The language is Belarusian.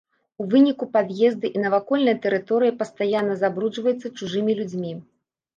У выніку пад'езды і навакольная тэрыторыя пастаянна забруджваецца чужымі людзьмі.